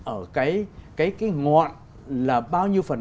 ở cái ngọn là bao nhiêu phần